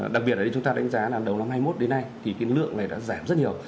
đặc biệt là chúng ta đánh giá là đầu năm hai mươi một đến nay thì cái lượng này đã giảm rất nhiều